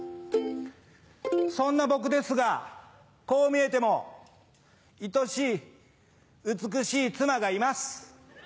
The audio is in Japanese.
そんな僕ですがこう見えてもいとしい美しい妻がいます。